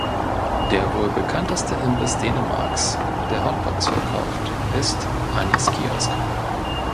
Der wohl bekannteste Imbiss Dänemarks, der Hotdogs verkauft, ist "Annies Kiosk".